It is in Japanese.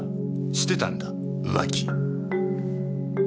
してたんだ浮気。